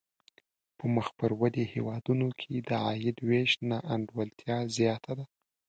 په مخ پر ودې هېوادونو کې د عاید وېش نا انډولتیا زیاته ده.